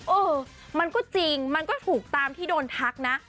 เออมันก็จริงมันก็ถูกตามที่โดนทักนะ